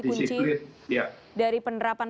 kunci dari penerapan